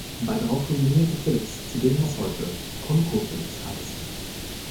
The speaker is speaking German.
Bald darauf fusionierte Phillips zu dem, was heute ConocoPhillips heißt.